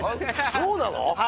そうなの？